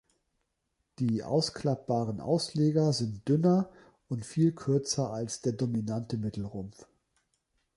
Die ausklappbaren Ausleger sind dünner und viel kürzer als der dominante Mittelrumpf.